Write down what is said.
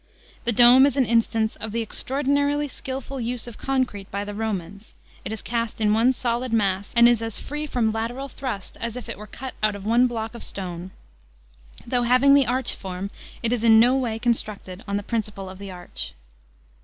The dome is an instance " of the extraordinarily skilful use of concrete by the Komans; it is cast in one solid mass, and is as free from lateral thrust as if it were cut out of one block of stone. Though having the arch form, it is in no way constructed on the principle of the arch."